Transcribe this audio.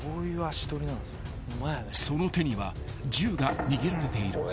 ［その手には銃が握られている］